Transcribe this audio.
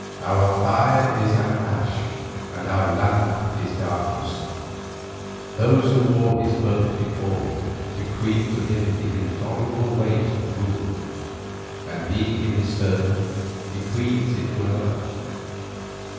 Our fire is an ash and our lamp is darkness. Those who wore his purple before him bequeathed to him the intolerable weight of rule, and he in his turn bequeaths it to another.